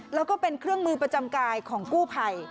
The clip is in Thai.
แล้วก็เป็นเครื่องมือประจำกายของกู้ภัย